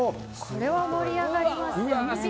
これは盛り上がりますね。